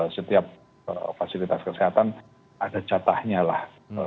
setiap fasilitas kesehatan ada jatahnya lah